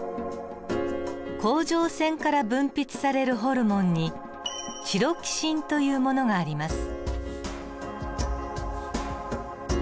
甲状腺から分泌されるホルモンにチロキシンというものがあります。